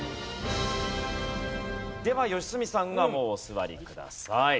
では良純さんはもうお座りください。